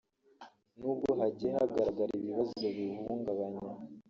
n’ubwo hagiye hagaragara ibibazo biwuhungabanya